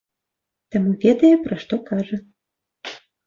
Таму ведае, пра што кажа.